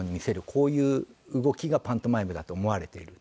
こういう動きがパントマイムだと思われていると。